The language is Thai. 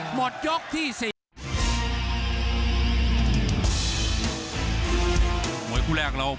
ภูตวรรณสิทธิ์บุญมีน้ำเงิน